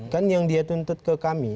kan yang dia tuntut ke kami